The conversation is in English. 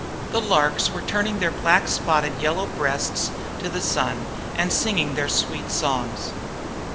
The larks were turning their black spotted yellow breasts to the sun and singing their sweet songs.